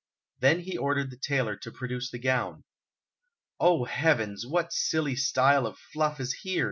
Then he ordered the tailor to produce the gown. "O heavens! what silly style of stuff is here?"